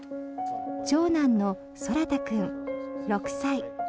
長男の空太君、６歳。